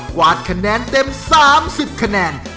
วาดคะแนนเต็ม๓๐คะแนน